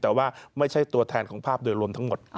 แต่ว่าไม่ใช่ตัวแทนของภาพโดยรวมทั้งหมด